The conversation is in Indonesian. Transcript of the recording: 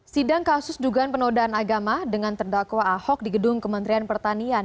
sidang kasus dugaan penodaan agama dengan terdakwa ahok di gedung kementerian pertanian